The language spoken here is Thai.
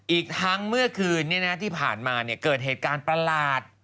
อีกทั้งเมื่อคืนที่ผ่านมาเกิดเหตุการณ์ประหลาด